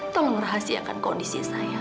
tolong rahasiakan kondisi saya